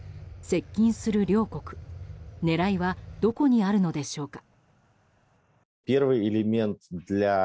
接近する両国狙いはどこにあるのでしょうか。